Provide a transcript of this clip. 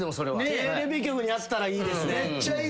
テレビ局にあったらいいですね。